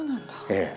ええ。